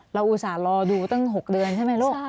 อุตส่าห์รอดูตั้ง๖เดือนใช่ไหมลูก